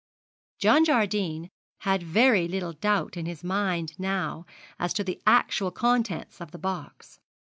John Jardine had very little doubt in his mind now as to the actual contents of the box.